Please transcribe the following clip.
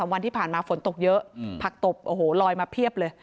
วันที่ผ่านมาฝนตกเยอะผักตบโอ้โหลอยมาเพียบเลย